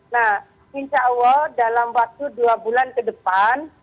nah insya allah dalam waktu dua bulan ke depan